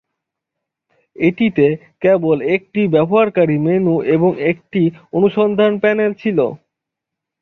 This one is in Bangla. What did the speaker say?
এটিতে কেবল একটি ব্যবহারকারী মেনু এবং একটি অনুসন্ধান প্যানেল ছিল।